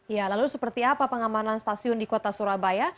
ya lalu seperti apa pengamanan stasiun di kota surabaya